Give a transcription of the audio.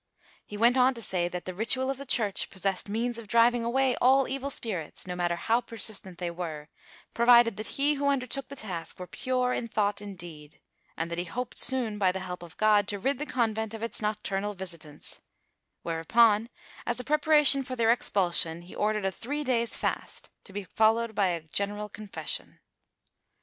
He went on to say that the ritual of the Church possessed means of driving away all evil spirits, no matter how persistent they were, provided that he who undertook the task were pure in thought and deed, and that he hoped soon, by the help of God, to rid the convent of its nocturnal visitants, whereupon as a preparation for their expulsion he ordered a three days' fast, to be followed by a general confession.